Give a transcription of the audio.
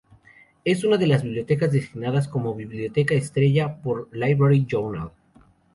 Es una de las bibliotecas designadas como "Biblioteca Estrella" por Library Journal.